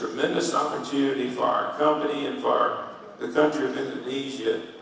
negara indonesia untuk menjadi penghasil yang signifikan dari emas